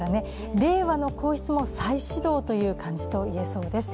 令和の皇室も再始動という感じと言えそうです。